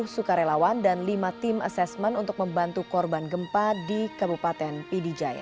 satu sukarelawan dan lima tim asesmen untuk membantu korban gempa di kabupaten pidijaya